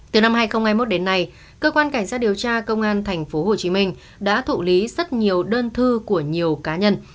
từ năm hai nghìn hai mươi một đến nay cơ quan cảnh sát điều tra công an tp hcm đã thụ lý rất nhiều đơn thư của nhiều cá nhân